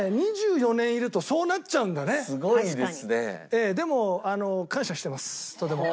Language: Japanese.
ええでもあの感謝してますとても。